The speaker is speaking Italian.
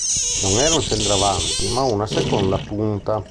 Non era un centravanti, ma una seconda punta.